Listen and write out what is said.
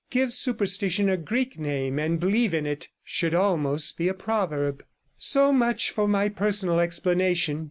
Give superstition a Greek name, and believe in it, should almost be a proverb. 'So much for my personal explanation.